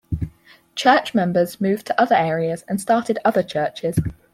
Church members moved to other areas and started other churches.